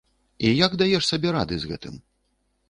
І як даеш сабе рады з гэтым?